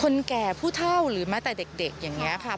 แก่ผู้เท่าหรือแม้แต่เด็กอย่างนี้ค่ะ